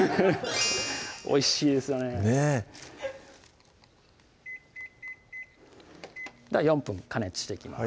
おいしいですよねねぇ４分加熱していきます